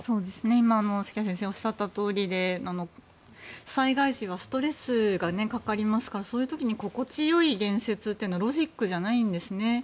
今、関谷先生がおっしゃったとおりで災害時はストレスがかかりますからそういう時に心地よい言説というのはロジックじゃないんですね。